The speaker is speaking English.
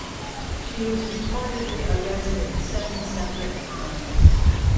She was reportedly arrested seven separate times.